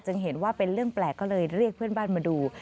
เห็นว่าเป็นเรื่องแปลกก็เลยเรียกเพื่อนบ้านมาดู